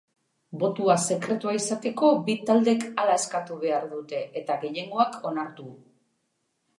Botoa sekretua izateko, bi taldek hala eskatu behar dute eta gehiengoak onartu.